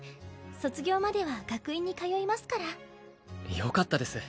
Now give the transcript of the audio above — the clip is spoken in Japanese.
卒業までは学院に通いますからよかったです